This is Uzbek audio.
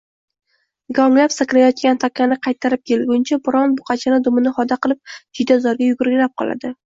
Dikonglab sakrayotgan takani qaytarib kelguncha biron buqacha dumini xoda qilib jiydazorga yugurgilab qoladi.